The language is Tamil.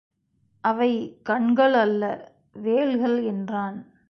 அவை கண்கள் அல்ல வேல்கள் என்றான்.